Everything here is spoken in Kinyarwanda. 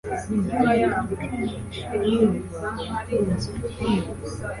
kuri metero cumi neshanu na makumyabiri.